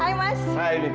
hai mas hai meke